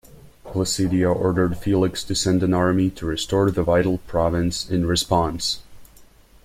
Placidia ordered Felix to send an army to restore the vital province in response.